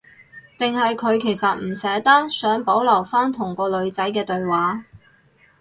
定係佢其實唔捨得，想保留返同個女仔嘅對話